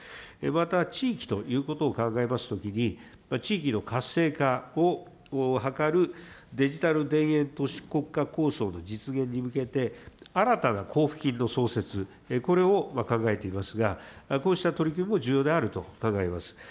また、地域ということを考えますときに、地域の活性化を図るデジタル田園都市国家構想の実現に向けて、新たな交付金の創設、これを考えていますが、こうした取り組みも重要であると考えます。